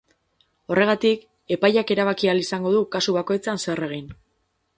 Horregatik, epaileak erabaki ahal izango du kasu bakoitzean zer egin.